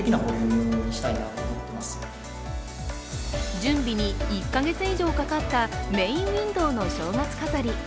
準備に１か月以上かかったメインウインドーの正月飾り。